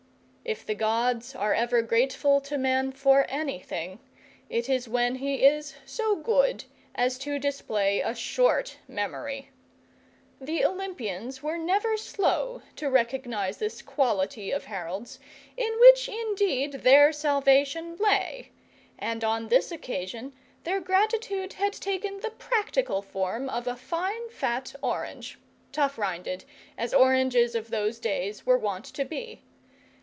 If the gods are ever grateful to man for anything, it is when he is so good as to display a short memory. The Olympians were never slow to recognize this quality of Harold's, in which, indeed, their salvation lay, and on this occasion their gratitude had taken the practical form of a fine fat orange, tough rinded as oranges of those days were wont to be.